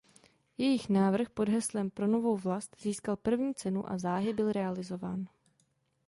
Jejich návrh pod heslem "Pro novou vlast" získal první cenu a záhy byl realizován.